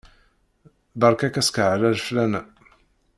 Berka-k askeɛrer fell-aneɣ!